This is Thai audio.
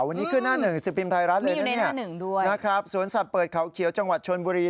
วันนี้ขึ้นหน้าหนึ่งสิบพิมพ์ไทยรัฐเลยนะเนี่ยนะครับสวนสัตว์เปิดเขาเขียวจังหวัดชนบุรี